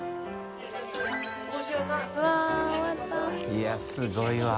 いやすごいわ。